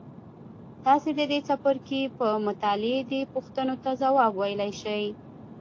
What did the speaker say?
تاسې د دې څپرکي په مطالعې دې پوښتنو ته ځواب ویلای شئ.